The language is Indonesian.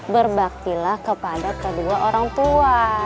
berbaktilah kepada kedua orang tua